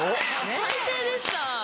最低でした。